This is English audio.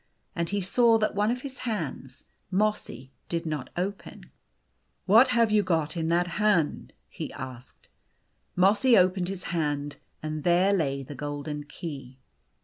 And he saw that one of his hands Mossy did not open. " What have you in that hand ?" he asked. Mossy opened his hand, and there lay the golden key.